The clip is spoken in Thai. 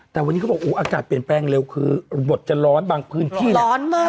แต่วันนี้เขาบอกอากาศเปลี่ยนแปลงเร็วคือบทจะร้อนบางพื้นที่ร้อนมาก